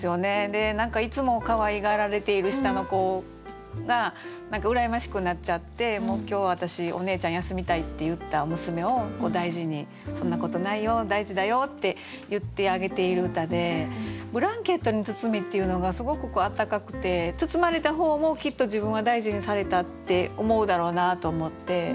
で何かいつもかわいがられている下の子が何か羨ましくなっちゃって「もう今日私おねえちゃん休みたい」って言った娘を大事に「そんなことないよ大事だよ」って言ってあげている歌で「ブランケットに包み」っていうのがすごくあったかくて包まれた方もきっと自分は大事にされたって思うだろうなと思って。